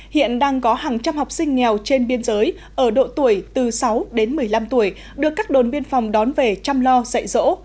hiện đang có hàng trăm học sinh nghèo trên biên giới ở độ tuổi từ sáu đến một mươi năm tuổi được các đồn biên phòng đón về chăm lo dạy dỗ